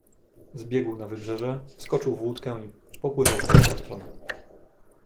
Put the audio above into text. "Zbiegł na wybrzeże, wskoczył w łódkę i popłynął w tamtą stronę."